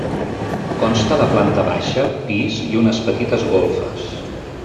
Consta de planta baixa, pis i unes petites golfes.